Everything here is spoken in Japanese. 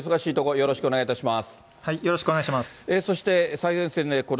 よろしくお願いします。